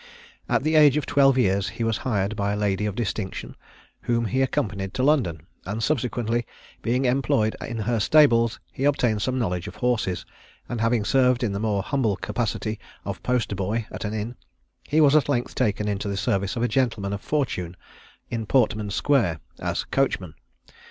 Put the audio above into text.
At the age of twelve years he was hired by a lady of distinction, whom he accompanied to London; and subsequently being employed in her stables, he obtained some knowledge of horses, and having served in the more humble capacity of post boy at an inn, he was at length taken into the service of a gentleman of fortune, in Portman square, as coachman.